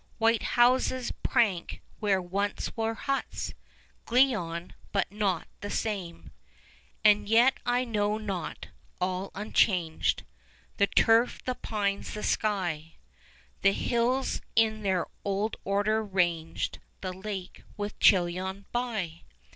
White houses prank where once were huts! Glion, but not the same, And yet I know not. All unchanged 5 The turf, the pines, the sky! The hills in their old order ranged. The lake, with Chillon by!